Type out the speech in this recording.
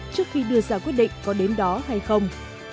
trước khi đưa ra quyết định có đến đó hay không